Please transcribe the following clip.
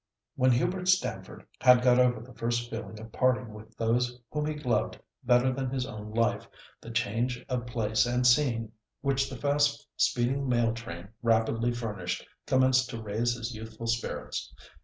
When Hubert Stamford had got over the first feeling of parting with those whom he loved better than his own life, the change of place and scene which the fast speeding mail train rapidly furnished commenced to raise his youthful spirits.